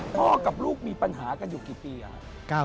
พ่อกับลูกมีปัญหากันอยู่กี่ปีครับ